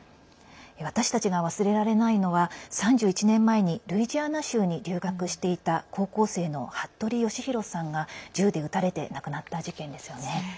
私たちが忘れられないのは３１年前にルイジアナ州に留学していた高校生の服部剛丈さんが銃で撃たれて亡くなった事件です。